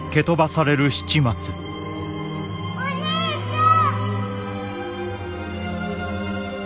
お兄ちゃん！